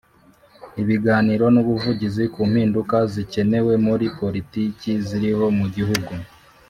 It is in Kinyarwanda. Ibiganiro n ubuvugizi ku mpinduka zikenewe muri politiki ziriho mu gihugu